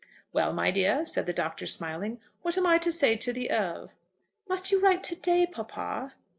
"Well, my dear," said the Doctor, smiling, "what am I to say to the Earl?" "Must you write to day, papa?"